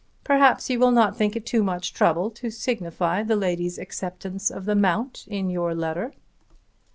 Perhaps you will not think it too much trouble to signify the lady's acceptance of the mount in your letter."